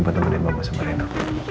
buat nemenin mama sama rena